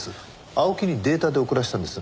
青木にデータで送らせたんです。